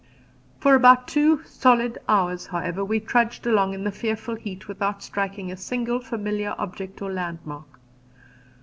For two solid hours, however, we trudged along in the fearful heat without striking a single familiar object or landmark.